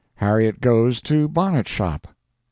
Harriet goes to bonnet shop.